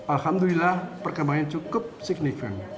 alhamdulillah perkembangan cukup signifikan